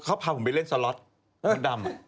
เขาพาผมไปเล่นสล็อตมดดำ